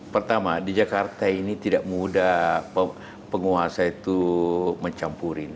pertama di jakarta ini tidak mudah penguasa itu mencampurin